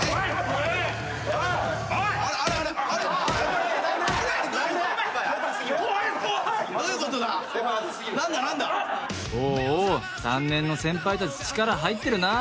おうおう３年の先輩たち力入ってるな